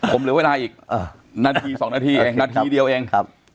ผมเหลือเวลาอีกนัธีสองนาทีแองนาทีเดียวเอง